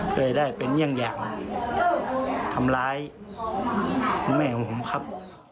เพื่อให้ได้เป็นอย่างทำร้ายคุณแม่ของผมครับ